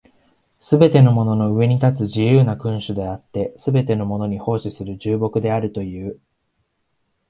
すべてのものの上に立つ自由な君主であって、すべてのものに奉仕する従僕であるという。